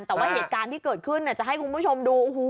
แต่ว่าเหตุการณ์ที่เกิดขึ้นจะให้คุณผู้ชมดู